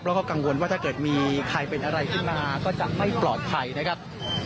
แล้วก็กังวลว่าถ้าเกิดมีใครเป็นอะไรขึ้นมาก็จะไม่ปลอดภัยนะครับ